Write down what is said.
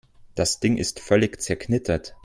Das Ding ist völlig zerknittert.